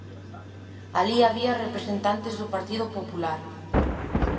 Alí había representantes do Partido Popular.